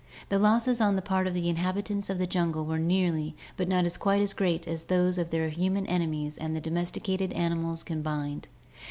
"The losses on the part of the inhabitants of the jungle were nearly but not quite as great as those of their human enemies and the domesticated animals combined.